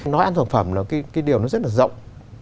nó ăn thực phẩm là cái điều nó rất là rộng